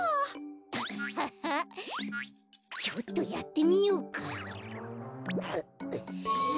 アッハッハッちょっとやってみようか。